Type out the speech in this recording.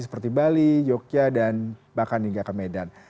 seperti bali yogyakarta dan bahkan hingga ke medan